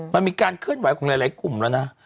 มันมีการเคลื่อนไหวของหลายกลุ่มแล้วนะ